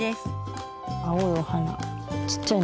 青いお花。